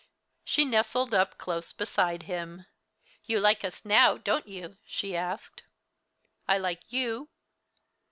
She nestled up close beside him. "You like us now, don't you? she asked. "I like you."